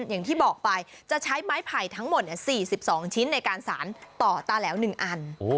อย่างที่บอกไปจะใช้ไม้ไผ่ทั้งหมด๔๒ชิ้นในการสารต่อตาแหลว๑อัน